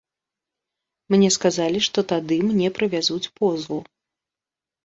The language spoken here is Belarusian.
Мне сказалі, што тады мне прывязуць позву.